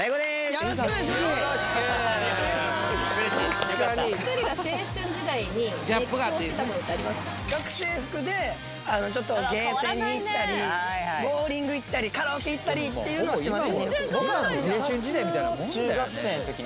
よろしくお願いしますに行ったりボウリング行ったりカラオケ行ったりっていうのはしてましたね